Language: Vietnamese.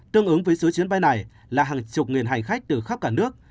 tương ứng với số chuyến bay này là hàng chục nghìn hành khách từ khắp cả nước